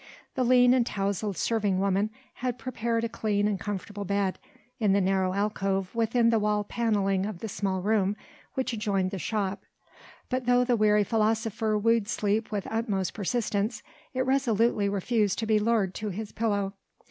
The lean and towzled serving woman had prepared a clean and comfortable bed in the narrow alcove within the wall panelling of the small room which adjoined the shop, but though the weary philosopher wooed sleep with utmost persistence, it resolutely refused to be lured to his pillow.